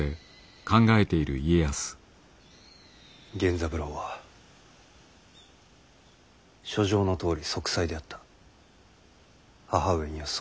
源三郎は書状のとおり息災であった母上にはそう伝えよ。